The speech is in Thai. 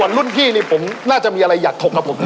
ส่วนรุ่นพี่นี่ผมน่าจะมีอะไรอยากถกกับผมเยอะ